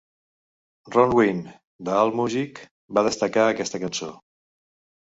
Ron Wynn, d'Allmusic, va destacar aquesta cançó.